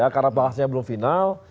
karena bahasnya belum final